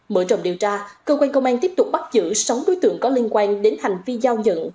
mở rộng điều tra cơ quan công an tiếp tục bắt giữ sáu đối tượng có liên quan đến hành vi giao nhận